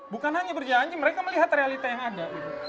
bukan hanya berjanji mereka melihat realita yang ada